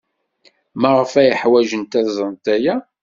Maɣef ay ḥwajent ad ẓrent aya?